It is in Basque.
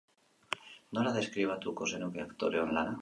Nola deskribatuko zenuke aktoreon lana?